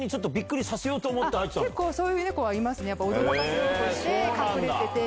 そういう猫はいます驚かせようとして隠れてて。